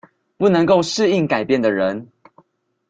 不能夠適應改變的人